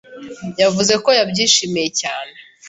yavuze ko yabyishimiye cyane.